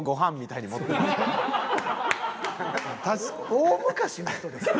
大昔の人ですか？